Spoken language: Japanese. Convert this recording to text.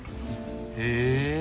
へえ。